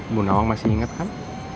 ibu nawang masih ingat kan